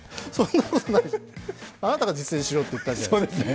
あなたが実演しろっ言ったんじゃないですか。